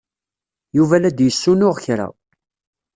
Yuba la d-yessunuɣ kra.